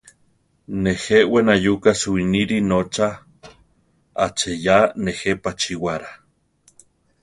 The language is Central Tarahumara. Nejé we nayuka suwinire notza, aacheyá nejé pachíwara.